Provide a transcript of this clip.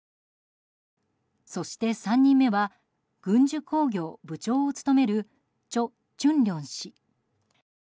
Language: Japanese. そして、３人目は軍需工業部長を務めるチョ・チュンリョン氏。